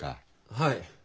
はい。